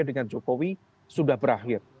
dengan jokowi sudah berakhir